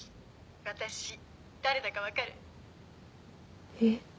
私誰だかわかる？えっ？